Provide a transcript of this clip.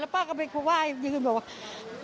แล้วป้าก็ไปไหว้ยืนบอก